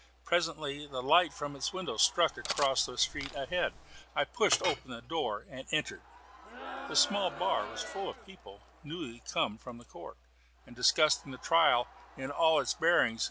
Presently the light from its windows struck across the street, ahead. I pushed open the door and entered. The small bar was full of people newly come from the court, and discussing the trial in all its bearings.